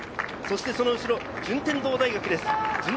その後ろは順天堂大学です。